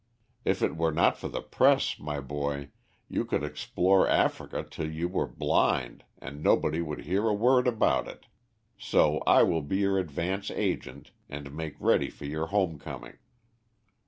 If it were not for the Press, my boy, you could explore Africa till you were blind and nobody would hear a word about it, so I will be your advance agent and make ready for your home coming."